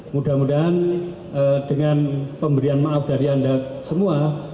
mudah mudahan dengan pemberian maaf dari anda semua